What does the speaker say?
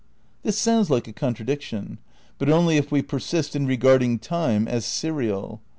This sounds like a contradiction, but only if we per sist in regarding time as serial.